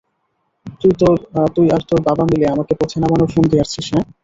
তুই আর তোর বাবা মিলে আমাকে পথে নামানোর ফন্দি আঁটছিস, হ্যাঁ?